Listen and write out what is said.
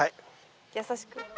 優しく。